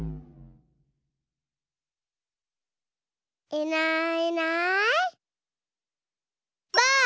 いないいないばあっ！